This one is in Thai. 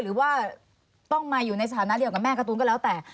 หรือว่าต้องมาอยู่ในสถานะเดียวกับแม่การ์ตูนก็แล้วแต่